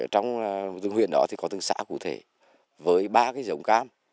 trong huyện đó có từng xã cụ thể với ba dòng cam